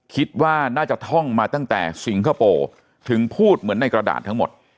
คิดว่าน่าจะท่องมาตั้งแต่สิงคโปร์ถึงพูดเหมือนในกระดาษทั้งหมด